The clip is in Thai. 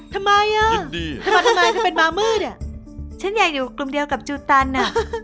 ทำไมอ่ะทำไมเธอเป็นมามืดอ่ะฉันอยากอยู่กลุ่มเดียวกับจูตันอ่ะ